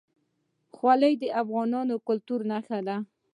خولۍ د افغاني کلتور نښه ده.